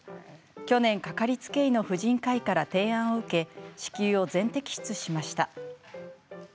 去年、掛かりつけの婦人科医から提案を受け子宮を全摘出しました。